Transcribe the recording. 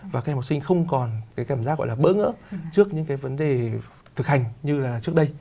và các em học sinh không còn cái cảm giác gọi là bỡ ngỡ trước những cái vấn đề thực hành như là trước đây